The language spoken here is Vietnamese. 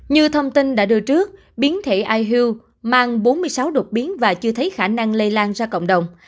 như thông tin đã đưa trước biến thể ihu mang bốn mươi sáu đột biến và chưa thấy khả năng lây lan ra cộng đồng